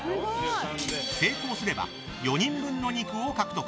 成功すれば４人分の肉を獲得。